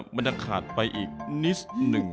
มันจะขาดไปอีกนิดหนึ่ง